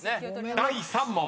［第３問］